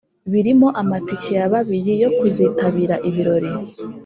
birimo amatike ya babiri yo kuzitabira ibirori